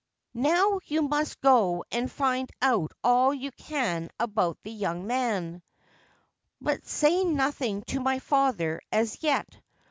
' Now you must go and find out all you can about the young man ; but say nothing to my father as yet.